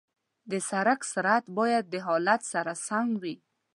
د سړک سرعت باید د حالت سره سم وي.